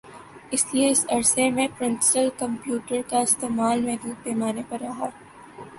اس لئے اس عرصے میں پرسنل کمپیوٹر کا استعمال محدود پیمانے پر رہا